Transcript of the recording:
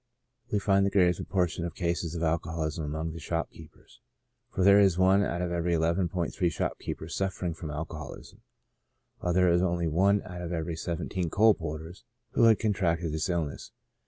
We find the greatest proportion of cases of alcoholism among the shopkeepers; for there is i out of every 11*3 shopkeepers suffering from alcoholism, while there is only i out of every 17 coal porters who had contracted this illness.